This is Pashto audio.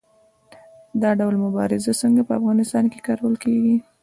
دا ډول مبارزه څنګه په افغانستان کې کارول کیږي؟